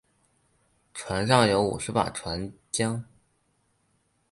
船上有五十把船浆。